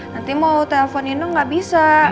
nanti mau telepon ino gak bisa